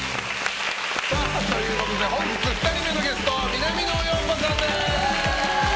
本日２人目のゲストは南野陽子さんです！